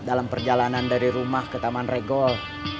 dalam perjalanan dari rumah ke taman regol